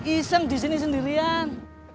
iseng di sini sendirian